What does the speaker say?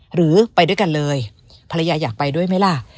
หรือไปด้วยกันเลยภรรยาอยากไปด้วยไหมล่ะ